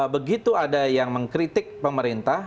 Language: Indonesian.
begitu ada yang mengkritik pemerintah